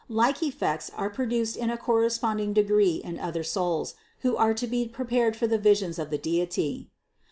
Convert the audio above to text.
Like effects are produced in a corresponding degree in other souls, who are to be prepared for the visions of the Deity.